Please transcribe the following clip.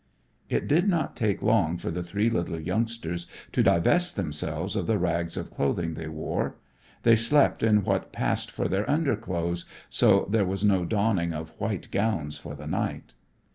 It did not take long for the three little youngsters to divest themselves of the rags of clothing they wore. They slept in what passed for their underclothes, so there was no donning of white gowns for the night.